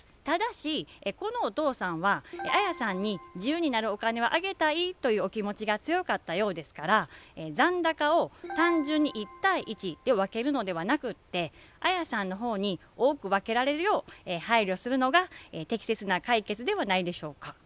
ただしこのお父さんはアヤさんに自由になるお金をあげたいというお気持ちが強かったようですから残高を単純に１対１で分けるのでなくてアヤさんの方に多く分けられるよう配慮するのが適切な解決ではないでしょうか。